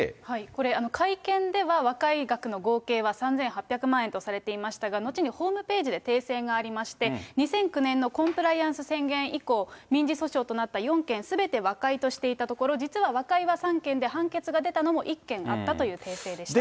これ、会見では和解額の合計は３８００万円とされていましたが、後にホームページで訂正がありまして、２００９年のコンプライアンス宣言以降、民事訴訟となった４件すべて和解としていたところ、実は和解は３件で判決が出たのも１件あったという訂正でした。